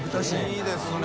いいですね